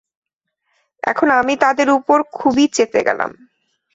এখন আমি তাদের ওপর খুবই চেতে গেলাম।